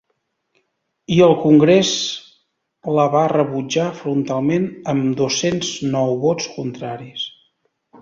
I el congrés la va rebutjar frontalment amb dos-cents nou vots contraris.